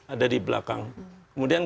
ada di belakang kemudian